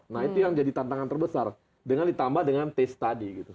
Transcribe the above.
nah itu yang jadi tantangan terbesar dengan ditambah dengan taste tadi gitu